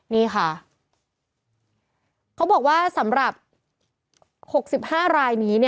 นี่ค่ะเขาบอกว่าสำหรับ๖๕รายนี้